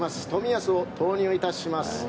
冨安を投入いたします。